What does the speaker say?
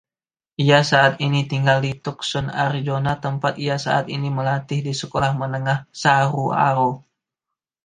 Ia saat ini tinggal di Tucson, Arizona, tempat ia saat ini melatih di sekolah menengah Sahuaro.